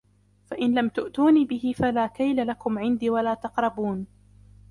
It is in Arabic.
فإن لم تأتوني به فلا كيل لكم عندي ولا تقربون